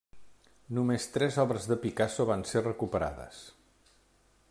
Només tres obres de Picasso van ser recuperades.